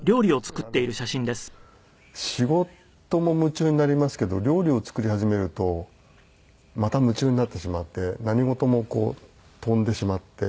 これ仕事も夢中になりますけど料理を作り始めるとまた夢中になってしまって何事も飛んでしまって。